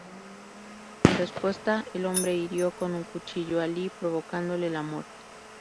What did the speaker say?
En respuesta, el hombre hirió con un cuchillo a Li, provocándole la muerte.